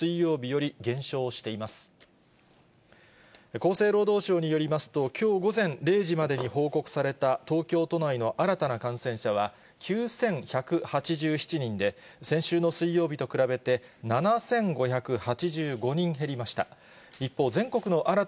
厚生労働省によりますと、きょう午前０時までに報告された、東京都内の新たな感染者は、９１８７人で、先週の水曜日と比べて、７５８５人減りました。